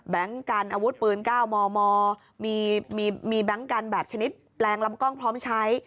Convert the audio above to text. กันอาวุธปืน๙มมมีแบงค์กันแบบชนิดแปลงลำกล้องพร้อมใช้